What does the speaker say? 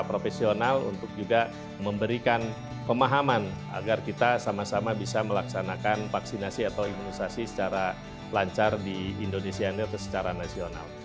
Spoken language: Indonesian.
profesional untuk juga memberikan pemahaman agar kita sama sama bisa melaksanakan vaksinasi atau imunisasi secara lancar di indonesia ini secara nasional